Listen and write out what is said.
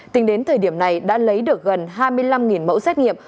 tính đến thời điểm này đã lấy được gần hai mươi năm mẫu xét nghiệm